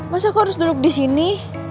masa aku harus duduk disini